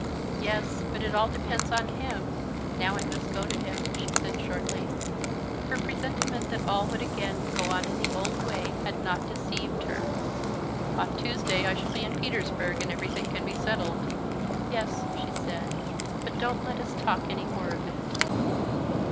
"Yes; but it all depends on him. Now I must go to him," she said shortly. Her presentiment that all would again go on in the old way had not deceived her. "On Tuesday I shall be in Petersburg, and everything can be settled." "Yes," she said. "But don't let us talk any more of it."